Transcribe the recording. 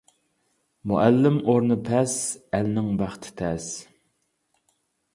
مۇئەللىم ئورنى پەس، ئەلنىڭ بەختى تەس.